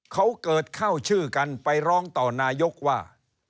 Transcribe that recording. เขาเกิดเข้าชื่อกันไปร้องต่อนายกว่า